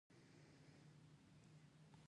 تراوسه نه پوهېږم، خو یو ښکلی ځای به وي.